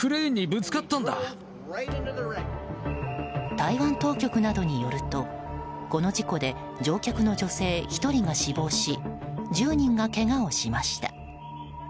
台湾当局などによるとこの事故で乗客の女性１人が死亡し１０人がけがをしました。